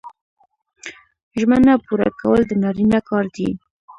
ژمنه پوره کول د نارینه کار دی